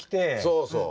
そうそう。